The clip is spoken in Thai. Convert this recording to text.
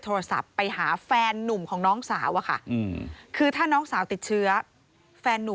พอโทรศัพท์ไปถามแฟนของน้องสาวตอบกลับมาว่าไม่ติดเชื้อนะคะ